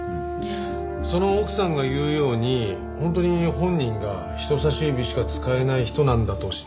その奥さんが言うように本当に本人が人さし指しか使えない人なんだとしたら。